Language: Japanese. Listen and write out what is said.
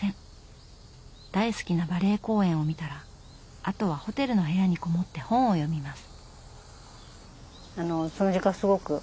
大好きなバレエ公演を見たらあとはホテルの部屋にこもって本を読みます。